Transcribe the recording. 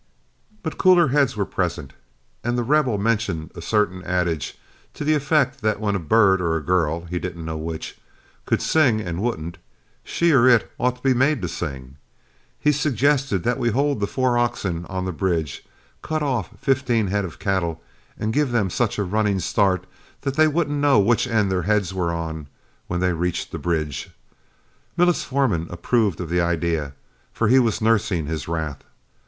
But cooler heads were present, and The Rebel mentioned a certain adage, to the effect that when a bird or a girl, he didn't know which, could sing and wouldn't, she or it ought to be made to sing. He suggested that we hold the four oxen on the bridge, cut off fifteen head of cattle, and give them such a running start, they wouldn't know which end their heads were on when they reached the bridge. Millet's foreman approved of the idea, for he was nursing his wrath.